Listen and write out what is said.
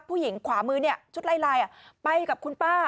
ผู้หญิงขวามือชุดลายไปกับคุณป้า